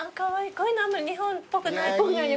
こういうのあんまり日本っぽくない。